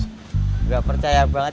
nggak percaya banget